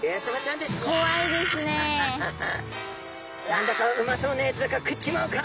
何だかうまそうなやつだから食っちまうか」。